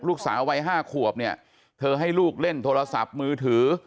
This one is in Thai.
ลูกสาววัย๕ขวบเนี่ยเธอให้ลูกเล่นโทรศัพท์มือถือ